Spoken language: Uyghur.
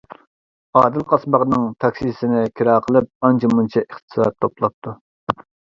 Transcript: ئادىل قاسماقنىڭ تاكسىسىنى كىرا قىلىپ، ئانچە-مۇنچە ئىقتىساد توپلاپتۇ.